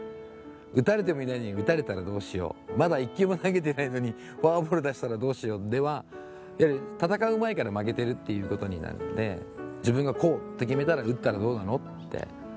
打たれてもいないのに、打たれたらどうしよう、まだ一球も投げてないのに、フォアボール出したらどうしようでは、やはり戦う前から負けてるっていうことになるので、自分がこうって決めたら、打ったらどうなのって。